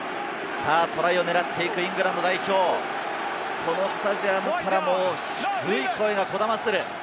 トライを狙っていくイングランド代表、このスタジアムからも低い声がこだまする。